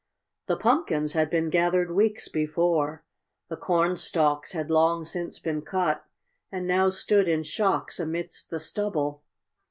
The pumpkins had been gathered weeks before. The cornstalks had long since been cut and now stood in shocks amidst the stubble.